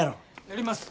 やります。